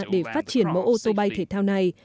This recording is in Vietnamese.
để phát triển mẫu ô tô bay thể thao này